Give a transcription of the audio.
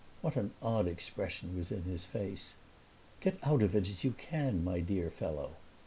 What an odd expression was in his face! "Get out of it as you can, my dear fellow!"